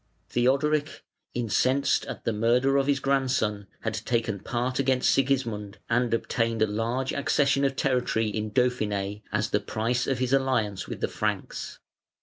Theodoric, incensed at the murder of his grandson, had taken part against Sigismund and obtained a large accession of territory in Dauphiné as the price of his alliance with the Franks.